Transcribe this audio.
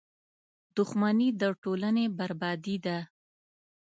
• دښمني د ټولنې بربادي ده.